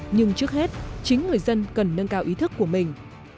nhưng trước hết chính người dân cần nâng cao ý thức của mình